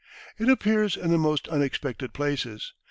It appears in the most unexpected places.